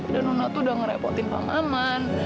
dan nona tuh udah ngerepotin pak ngan